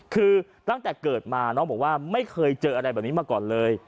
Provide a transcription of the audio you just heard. คือตั้งแต่เกิดมาน้องบอกว่าไม่เคยเจออะไรแบบนี้มาก่อนเลย